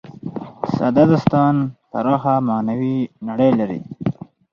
ساده داستان پراخه معنوي نړۍ لري.